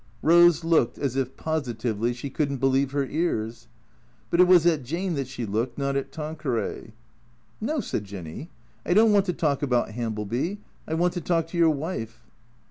" Eose looked as if positively she could n't believe her ears. But it was at Jane that she looked, not at Tanqueray. " No," said Jinny. " I don't want to talk about Hambleby. I want to talk to your wife."